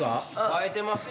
映えてますよ。